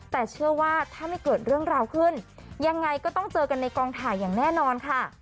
แต่เชื่อว่าถ้าไม่เกิดเรื่องราวขึ้นยังไงก็ต้องเจอกันในกองถ่ายอย่างแน่นอนค่ะ